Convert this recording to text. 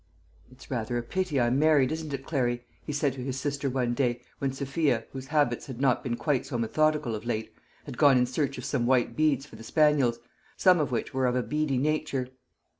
"It's rather a pity I'm married, isn't it, Clary?" he said to his sister one day, when Sophia, whose habits had not been quite so methodical of late, had gone in search of some white beads for the spaniels, some of which were of a beady nature.